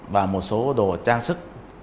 và một số đồ trang sức